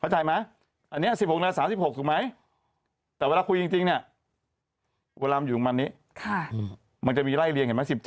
เข้าใจไหมอันนี้๑๖๓๖สุดไหมแต่เวลาคุยจริงเนี่ยเวลาอยู่มานี้ค่ะมันจะมีไร่เรียนเห็นไหม๑๗